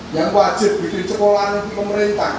yang wajib bikin sekolah negeri pemerintah